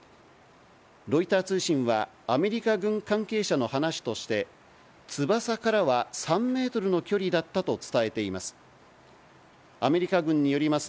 ロイター通信は、アメリカ軍関係者の話として、翼からは３メートルの距離だったと伝えています。